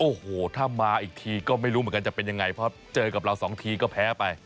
โอ้โหถ้ามาอีกทีก็ไม่รู้เหมือนกันจะเป็นยังไงเพราะเจอกับเราสองทีก็แพ้ไป